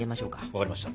分かりました。